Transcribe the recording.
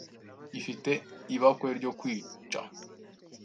Ifite ibakwe ryo kwica